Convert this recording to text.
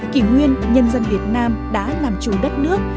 kỷ nguyên nhân dân việt nam đã làm chủ đất nước